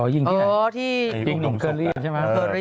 อ๋อยิงที่ไหนยิงดงสกรรมใช่ไหมอ๋อที่ยิงดงสกรรม